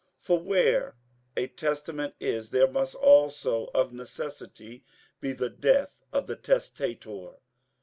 58:009:016 For where a testament is, there must also of necessity be the death of the testator.